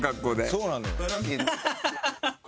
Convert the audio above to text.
そうなのよ。